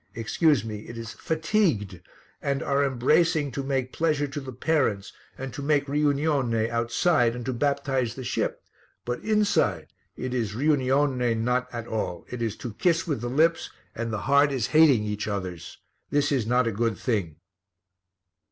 Excuse me, it is fatigued, and are embracing to make pleasure to the parents and to make riunione outside and to baptize the ship, but inside it is riunione not at all. It is to kiss with the lips and the heart is hating each others. This is not a good thing."